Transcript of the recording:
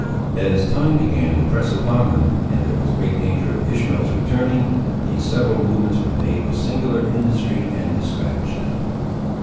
As time began to press upon them, and there was great danger of Ishmael's returning, these several movements were made with singular industry and despatch.